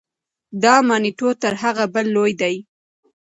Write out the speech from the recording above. دا مانیټور تر هغه بل لوی دی.